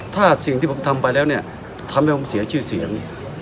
ถ้าสิ่งที่ผมทำไปแล้วเนี่ยทำให้ผมเสียชื่อเสียง